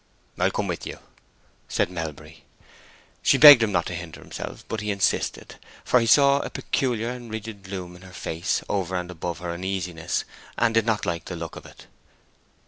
"I'll come with you," said Melbury. She begged him not to hinder himself; but he insisted, for he saw a peculiar and rigid gloom in her face over and above her uneasiness, and did not like the look of it.